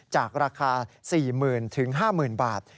จากราคา๔๐๐๐๕๐๐๐บาท